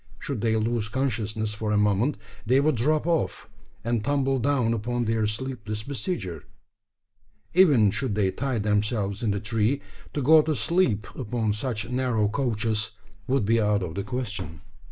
Should they lose consciousness for a moment, they would drop off, and tumble down upon their sleepless besieger! Even should they tie themselves in the tree, to go to sleep upon such narrow couches would be out of the question.